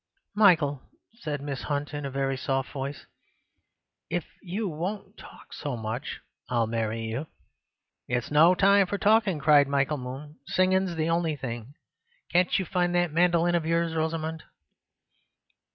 "Michael," said Miss Hunt, in a very soft voice, "if you won't talk so much, I'll marry you." "It's no time for talking," cried Michael Moon; "singing is the only thing. Can't you find that mandoline of yours, Rosamund?"